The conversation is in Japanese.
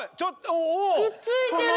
くっついてる！